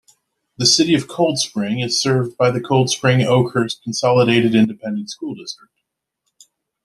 The City of Coldspring is served by the Coldspring-Oakhurst Consolidated Independent School District.